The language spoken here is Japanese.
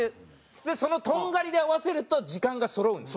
そのとんがりで合わせると時間がそろうんです。